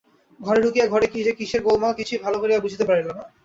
ঘরে ঢ়ুকিয়া ঘরে যে কিসের গোলমাল কিছুই ভালো করিয়া বুঝিতে পারিল না।